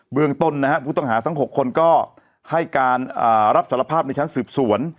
เมืองต้นนะฮะผู้ต้องหาทั้ง๖คนก็ให้การรับสารภาพในชั้นสืบสวน